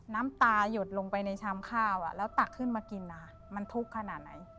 น้ำตายดลงไปในชามข้าวแล้วตักขึ้นมากินมันทุกข์ขนาดไหน